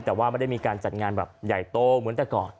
แต่ว่าไม่ได้มีการจัดงานแบบใหญ่โตเหมือนแต่ก่อน